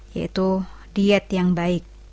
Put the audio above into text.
yaitu diet yang baik